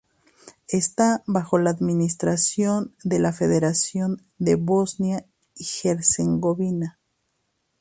Está bajo la administración de la Federación de Bosnia y Herzegovina.